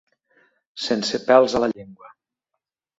Sense pèls a la llengua.